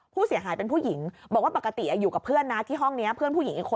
ผู้เสียหายเป็นผู้หญิงบอกว่าปกติอยู่กับเพื่อนนะที่ห้องเนี้ย